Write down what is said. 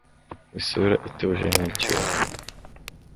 Isura ituje nkicyuma